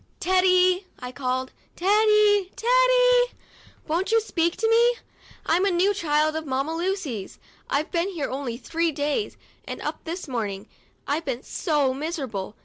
"Teddy," I called, "Teddy! Teddy! Won't you speak to me ? I'm a new child of Mamma Lucy's ; I've been here only three days, and up to this morning I've been so miserable.